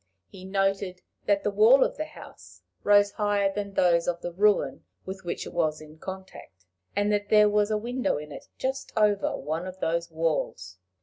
He noted that the wall of the house rose higher than those of the ruin with which it was in contact; and that there was a window in it just over one of those walls.